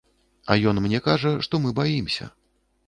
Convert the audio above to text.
А ён мне кажа, што мы баімся.